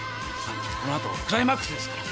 この後クライマックスですから。